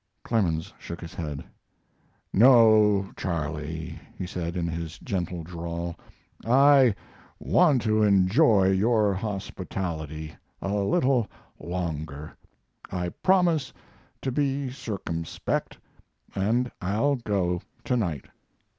Clemens shook his head. "No, Charley," he said, in his gentle drawl, "I want to enjoy your hospitality a little longer. I promise to be circumspect, and I'll go to night."